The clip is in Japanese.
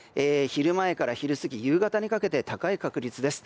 昼前から昼過ぎ夕方にかけて高い確率です。